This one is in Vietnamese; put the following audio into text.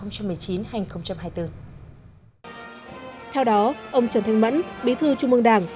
theo đó ông trần thanh mẫn bí thư trung mương đảng